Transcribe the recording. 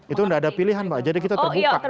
itu tidak ada pilihan pak jadi kita terbuka